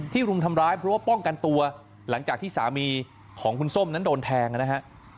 รุมทำร้ายเพราะว่าป้องกันตัวหลังจากที่สามีของคุณส้มนั้นโดนแทงนะฮะ